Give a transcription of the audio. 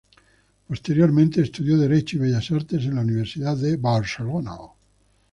Posteriormente estudió Derecho y Bellas Artes en la Universidad de Barcelona.